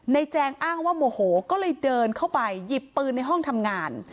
แจงอ้างว่าโมโหก็เลยเดินเข้าไปหยิบปืนในห้องทำงาน